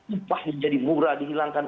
upah menjadi murah dihilangkan